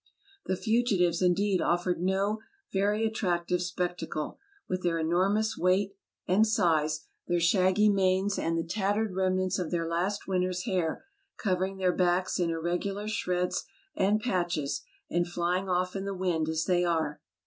The fugitives, indeed, offered no very attractive spectacle, with their enormous size and weight, their shaggy manes and the tattered remnants of their last winter's hair covering their backs in irregular shreds and patches, and flying off in the wind as they ran.